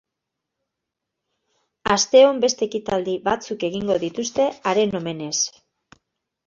Asteon beste ekitaldi batzuk egingo dituzte haren omenez.